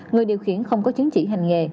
người điều khiển không có chứng chỉ hành nghề